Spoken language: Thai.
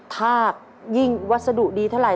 ถ้ายิ่งวัสดุดีเท่าไห